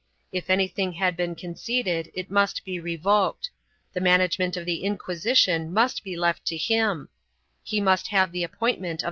If anything had been conceded it must be revoked; the management of the Inqui sition must be left to him ; he must have the appointment of